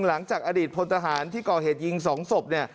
หลังจากอดีตพลธฮารที่ก่อเหตุยิงสองศพ